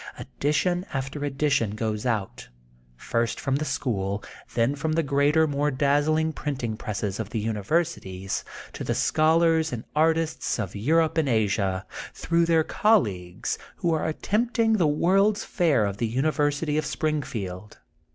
Edition after edition goes ont, first from the school, then from the greater, more dazzling printing presses of the "University, to the scholars and artists of Eu rope and Asia, through their colleagues who are attending the World 's Fair of the Univer sity of Springfield.